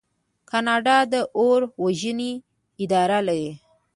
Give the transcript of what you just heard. کاناډا د اور وژنې اداره لري.